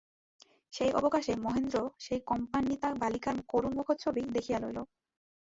সেই অবকাশে মহেন্দ্র সেই কম্পান্বিতা বালিকার করুণ মুখচ্ছবি দেখিয়া লইল।